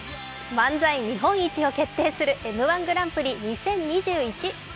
漫才日本一を決定するＭ−１グランプリ２０２１。